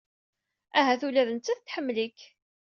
Ahat ula d nettat tḥemmel-ik.